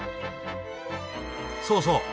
そうそう。